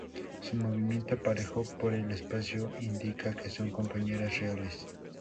Su movimiento parejo por el espacio indica que son compañeras reales.